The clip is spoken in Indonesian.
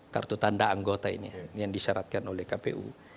kartu tanda anggota ini yang disyaratkan oleh kpu